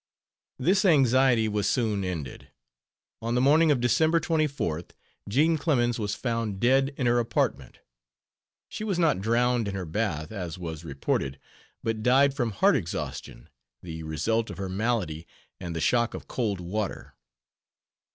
This anxiety was soon ended. On the morning of December 24th, Jean Clemens was found dead in her apartment. She was not drowned in her bath, as was reported, but died from heart exhaustion, the result of her malady and the shock of cold water.